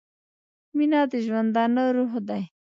• مینه د ژوندانه روح دی.